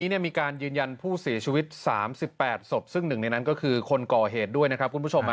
มีการยืนยันผู้เสียชีวิต๓๘ศพซึ่งหนึ่งในนั้นก็คือคนก่อเหตุด้วยนะครับคุณผู้ชม